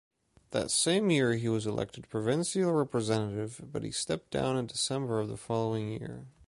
That same year he was elected provincial representative, but he stepped down in December of the following year.